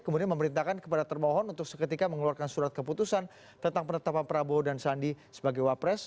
kemudian memerintahkan kepada termohon untuk seketika mengeluarkan surat keputusan tentang penetapan prabowo dan sandi sebagai wapres